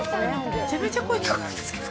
めちゃめちゃ声聞こえるんですけど。